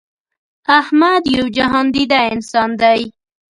احمد یو جهان دیده انسان دی.